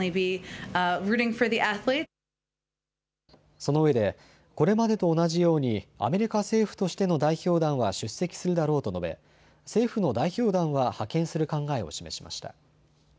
そのうえでこれまでと同じようにアメリカ政府としての代表団は出席するだろうと述べ政府の代表団は派遣する考えを示しました。